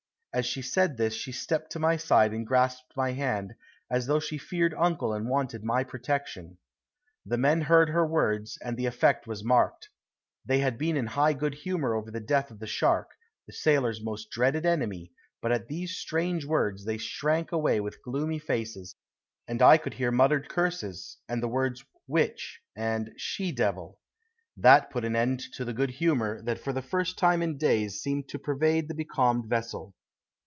As she said this she stepped to my side and grasped my hand, as though she feared uncle and wanted my protection. The men heard her words and the effect was marked. They had been in high good humor over the death of the shark, the sailors' most dreaded enemy, but at these strange words they shrank away with gloomy faces, and I could hear muttered curses, and the words "witch" and "she devil." That put an end to the good humor that for the first time in days seemed to pervade the becalmed vessel.